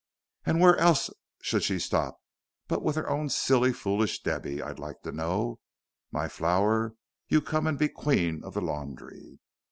"An' where else should she stop but with her own silly, foolish Debby, I'd like to know? My flower, you come an' be queen of the laundry."